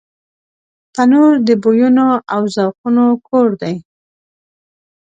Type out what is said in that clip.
تنور د بویونو او ذوقونو کور دی